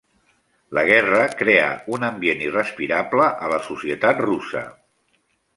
La guerra creà un ambient irrespirable a la societat russa.